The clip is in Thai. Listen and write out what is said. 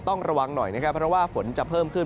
ต้องระวังหน่อยนะครับเพราะว่าฝนจะเพิ่มขึ้น